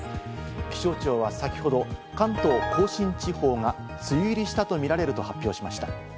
気象庁は先ほど関東甲信地方が梅雨入りしたとみられると発表しました。